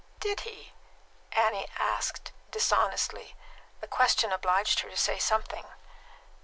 "Did he?" Annie asked dishonestly. The question obliged her to say something.